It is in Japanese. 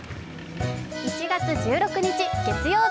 １月１６日月曜日。